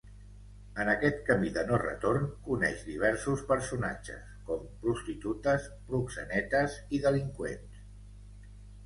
En aquest camí de no retorn, coneix diversos personatges, com prostitutes, proxenetes i delinqüents.